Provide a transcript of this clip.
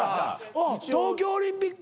東京オリンピック？